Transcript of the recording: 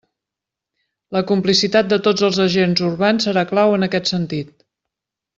La complicitat de tots els agents urbans serà clau en aquest sentit.